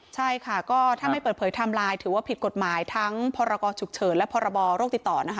ใช่ค่ะก็ถ้าไม่เปิดเผยไทม์ไลน์ถือว่าผิดกฎหมายทั้งพรกรฉุกเฉินและพรบโรคติดต่อนะคะ